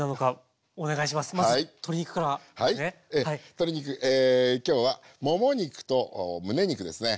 鶏肉今日はもも肉とむね肉ですね。